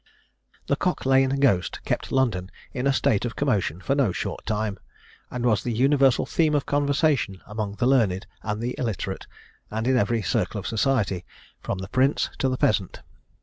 The Cock Lane Ghost kept London in a state of commotion for no short time, and was the universal theme of conversation among the learned and the illiterate, and in every circle of society, "from the prince to the peasant."